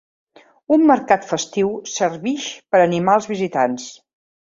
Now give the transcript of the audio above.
Un mercat festiu servix per animar els visitants.